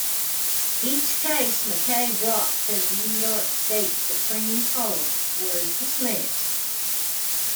Each case MacKay brought to the New York State Supreme Court was dismissed.